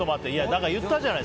だから言ったじゃない。